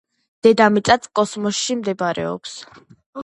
დედამიწაწ კოსმოსში მდებარეობს